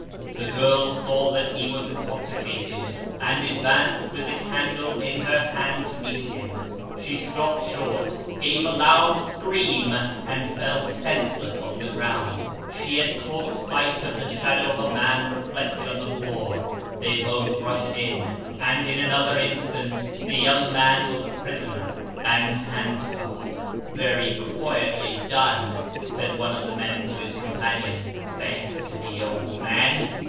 The girl saw that he was intoxicated, and advanced with the candle in her hand to meet him ; she stopped short, gave a loud scream, and fell senseless on the ground. She had caught sight of the shadow of a man reflected on the floor. They both rushed in, and in another instant the young man was a prisoner, and handcuffed. " Very quietly done," said one of the men to his companion, " thanks to the old man.